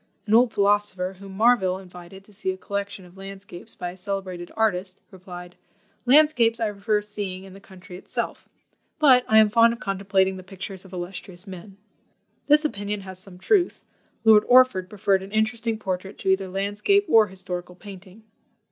An old philosopher, whom Marville invited to see a collection of landscapes by a celebrated artist, replied, "Landscapes I prefer seeing in the country itself, but I am fond of contemplating the pictures of illustrious men." This opinion has some truth; Lord Orford preferred an interesting portrait to either landscape or historical painting.